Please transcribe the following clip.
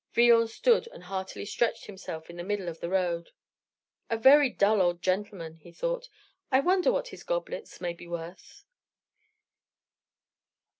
Villon stood and heartily stretched himself in the middle of the road. "A very dull old gentleman," he thought. "I wonder what his goblets may be worth."